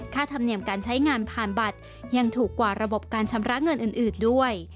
ธรรมเนียมการใช้งานผ่านบัตรยังถูกกว่าระบบการชำระเงินอื่นด้วย